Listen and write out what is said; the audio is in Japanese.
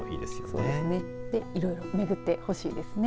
これで、いろいろ巡ってほしいですね。